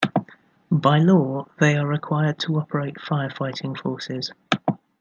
By law, they are required to operate fire-fighting forces.